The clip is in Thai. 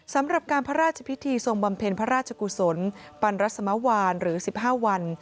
สำหรับการพระราชพิธีทรงบำเพ็ญพระราชกุศลปันรสมวานหรือ๑๕วัน